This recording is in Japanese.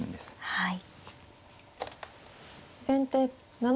はい。